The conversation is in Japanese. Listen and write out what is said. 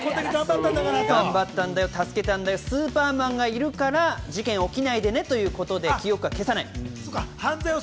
頑張ったんだよ、助けたんだよって、スーパーマンがいるから事件起きないでねっていうことで、記憶を消さない。